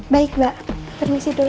baik mbak permisi dulu